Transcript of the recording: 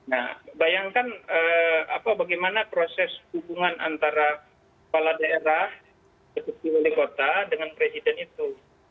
nah bayangkan bagaimana proses hubungan antara kepala daerah seperti wali kota dengan presiden itu